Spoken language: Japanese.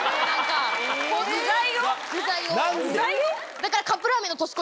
だからカップラーメンの年越し